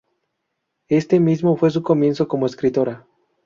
Este mismo fue su comienzo como escritora.